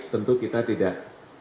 tentu kita tidak